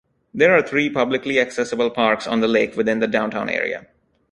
There are three publicly accessible parks on the lake within the downtown area.